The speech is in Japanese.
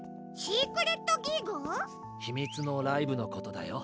ひみつのライブのことだよ。